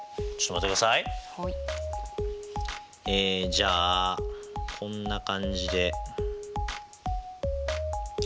じゃあこんな感じではい。